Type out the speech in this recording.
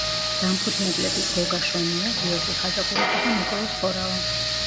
დამფუძნებლები: გოგა შონია, გიორგი ხაჭაპურიძე და ნიკოლოზ ხორავა.